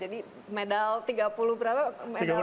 jadi medal tiga puluh berapa